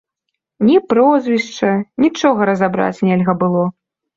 Ні прозвішча, нічога разабраць нельга было.